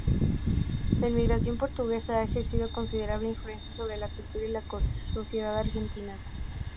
La inmigración portuguesa ha ejercido considerable influencia sobre la cultura y la sociedad argentinas.